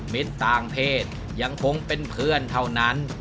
ต่างเพศยังคงเป็นเพื่อนเท่านั้น